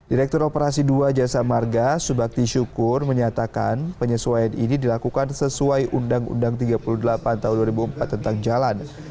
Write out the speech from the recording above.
direktur operasi dua jasa marga subakti syukur menyatakan penyesuaian ini dilakukan sesuai undang undang tiga puluh delapan tahun dua ribu empat tentang jalan